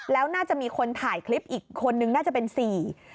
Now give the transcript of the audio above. แล้วน่าจะมีคนถ่ายคลิปอีกคนนึงน่าจะเป็นสี่